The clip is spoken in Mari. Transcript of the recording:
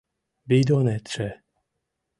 — Бидонетше...